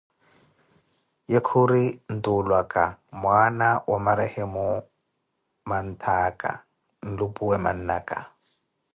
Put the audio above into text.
Ye khuri ntulwaka mwana wa marehemo manttaka nlu'puwe man'naka